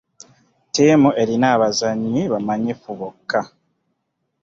Ttiimu erina bazannyi bamanyifu bokka.